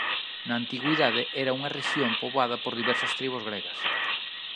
Na antigüidade era unha rexión poboada por diversas tribos gregas.